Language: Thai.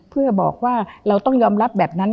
เพื่อบอกว่าเราต้องยอมรับแบบนั้น